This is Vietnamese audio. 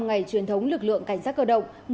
ngày truyền thống lực lượng cảnh sát cơ động